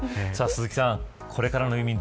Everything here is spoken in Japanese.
鈴木さん、これからのユーミン